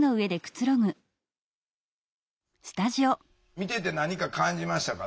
見てて何か感じましたか？